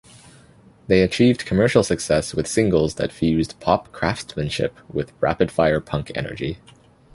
They achieved commercial success with singles that fused pop craftsmanship with rapid-fire punk energy.